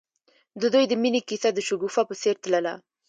د دوی د مینې کیسه د شګوفه په څېر تلله.